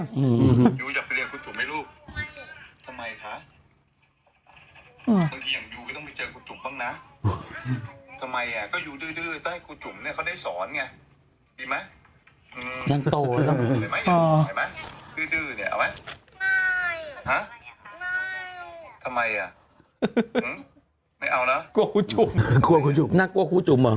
นี่คุณจุ๋มอืมไม่อย่างอยู่เนี้ยต้องให้คุณจุ๋มเข้าปากหน่อยไหมไม่